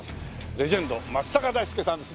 レジェンド松坂大輔さんです。